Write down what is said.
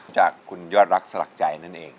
จากคุณยอดรักสลักใจนั่นเอง